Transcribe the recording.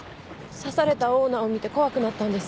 刺されたオーナーを見て怖くなったんです。